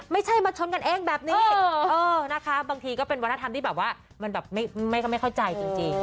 ไม่ใช่มาชนกันเองแบบนี้นะคะบางทีก็เป็นวัฒนธรรมที่แบบว่ามันแบบไม่เข้าใจจริง